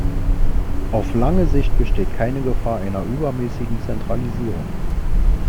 Auf lange Sicht besteht keine Gefahr einer übermäßigen Zentralisierung.